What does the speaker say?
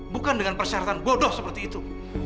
bukan dengan persyaratan bodoh seperti itu